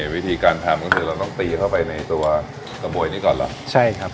วิธีการทำก็คือเราต้องตีเข้าไปในตัวกระบวยนี้ก่อนเหรอใช่ครับ